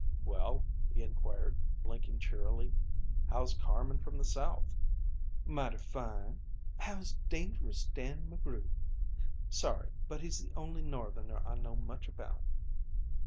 "Well," he inquired, blinking cheerily, "how's Carmen from the South?" "Mighty fine. How's how's Dangerous Dan McGrew? Sorry, but he's the only Northerner I know much about."